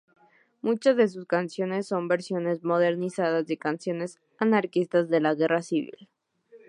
Muchas de sus canciones son versiones modernizadas de canciones anarquistas de la guerra civil.